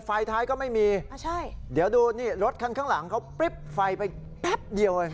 ไฟท้ายก็ไม่มีเดี๋ยวดูนี่รถคันข้างหลังเขาปริ๊บไฟไปแป๊บเดียวเอง